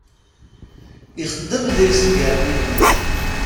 Ixdem deg-s gerninuc.